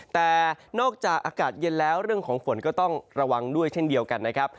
แต่นอกจากอากาศเย็นแล้วเรื่องของฝนก็ต้องระวังด้วยเช่นเดียวกันนะครับ